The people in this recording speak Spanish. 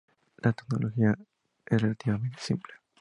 La tecnología es relativamente simple.